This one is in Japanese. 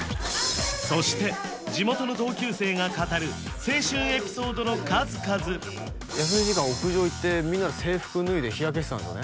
そして地元の同級生が語る青春エピソードの数々休み時間屋上行ってみんなで制服脱いで日焼けしてたんですよね？